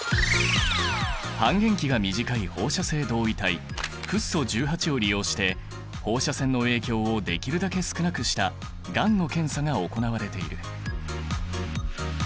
半減期が短い放射性同位体フッ素１８を利用して放射線の影響をできるだけ少なくしたがんの検査が行われている。